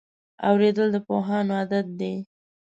اورېدل د پوهانو عادت دی.